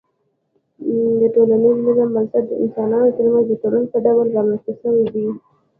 د ټولنيز نظام بنسټ د انسانانو ترمنځ د تړون په ډول رامنځته سوی دی